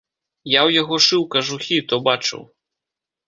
Я ў яго шыў кажухі, то бачыў.